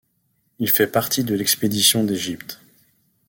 Il fait partie de l’Expédition d’Égypte.